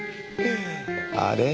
あれ？